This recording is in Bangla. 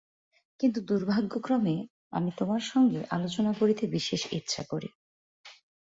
কিন্তু দুর্ভাগ্যক্রমে, আমি তোমার সঙ্গে আলোচনা করিতে বিশেষ ইচ্ছা করি।